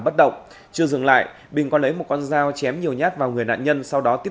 bất động chưa dừng lại bình có lấy một con dao chém nhiều nhát vào người nạn nhân sau đó tiếp